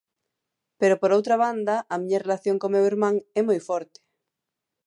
Pero por outra banda, a miña relación co meu irmán é moi forte.